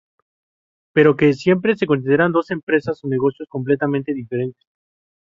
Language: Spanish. Pero que siempre se consideran dos empresas o negocios completamente diferentes.